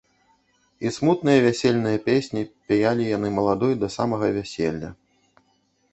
І смутныя вясельныя песні пяялі яны маладой да самага вяселля.